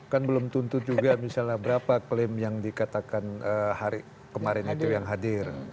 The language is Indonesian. kan belum tentu juga misalnya berapa klaim yang dikatakan hari kemarin itu yang hadir